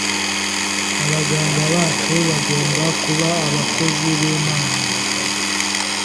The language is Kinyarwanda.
Abaganga bacu bagomba kuba abakozi b’Imana